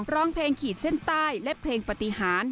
ร้องเพลงขีดเส้นใต้และเพลงปฏิหาร